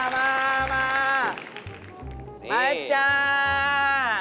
มาจ้า